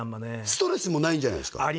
ストレスもないんじゃないですか？